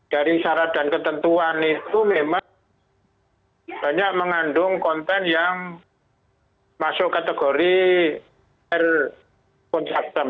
dari syarat dan ketentuan itu memang banyak mengandung konten yang masuk kategori air consustem